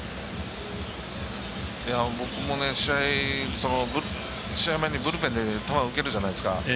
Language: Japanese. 僕も、試合前にブルペンで球を受けるじゃないですか。